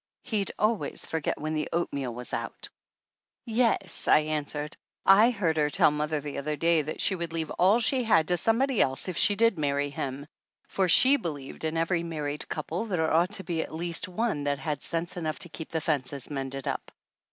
He'd always forget when the oatmeal was out." "Yes," I answered, "I heard her tell mother the other day that she would leave all she had to somebody else if she did marry him, for she be lieved in every married couple there ought to be at least one that had sense enough to keep the fences mended up."